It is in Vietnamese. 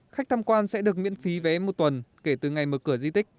khách tham quan sẽ được miễn phí vé một tuần kể từ ngày mở cửa di tích